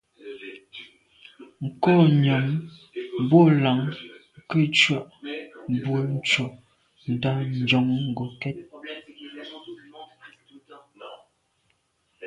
Nkô nyam bo làn ke ntshùa bwe ntsho ndà njon ngokèt.